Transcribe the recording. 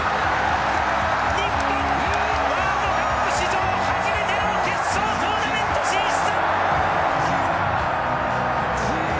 日本ワールドカップ史上初めての決勝トーナメント進出！